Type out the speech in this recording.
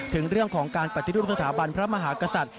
ถึงเรื่องของการปฏิรูปสถาบันพระมหากษัตริย์